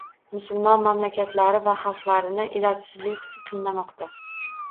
Musulmon mamlakatlari va xalqlarini ilojsizlik hissi qiynamoqda